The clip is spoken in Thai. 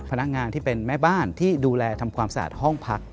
พนักงานที่เป็นแม่บ้านที่ดูแลทำความสะอาดห้องพัก